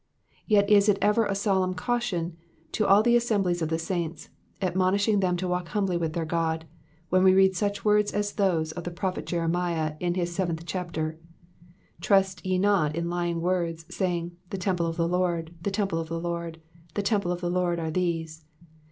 Yet is it ever a solemn caution to all the assemblies of the saints, admonishing them to walk humbly with their God, when we read such words as those of the prophet Jeremiah in his seventh chapter, Trust ye not in lying words, saying. The temple of the Lord, The temple of the Lord, The temple of the Lord, are these.